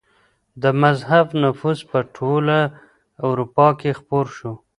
د مذهب نفوذ په ټوله اروپا کي خپور و.